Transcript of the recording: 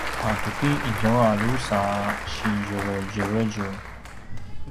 a tuki izua a drusa a sidjuredjuredjur